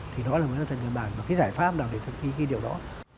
thì đó là một giải pháp nào để thực thi cái điều đó